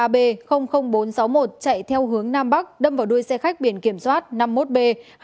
ba b bốn trăm sáu mươi một chạy theo hướng nam bắc đâm vào đuôi xe khách biển kiểm soát năm mươi một b hai mươi năm nghìn hai trăm chín mươi sáu